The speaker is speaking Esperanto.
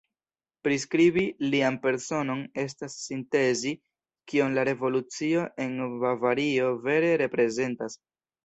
Priskribi lian personon estas sintezi kion la revolucio en Bavario vere reprezentas.